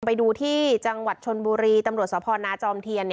ไปดูที่จังหวัดชนบุรีตำรวจสพนาจอมเทียน